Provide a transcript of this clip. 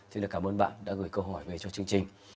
chính là cảm ơn bạn đã gửi câu hỏi về cho chương trình